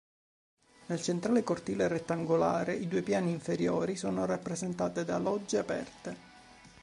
Nel centrale cortile rettangolare i due piani inferiori sono rappresentati da logge aperte.